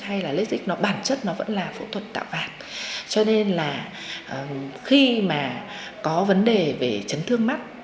hay là logistics nó bản chất nó vẫn là phẫu thuật tạo vạc cho nên là khi mà có vấn đề về chấn thương mắt